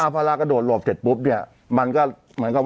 พอเรากระโดดโหลบเสร็จปุ๊บเนี่ยมันก็